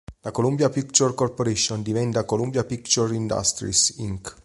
La Columbia Pictures Corporation diventa Columbia Pictures Industries, Inc.